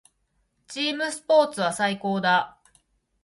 チームスポーツは最高だ。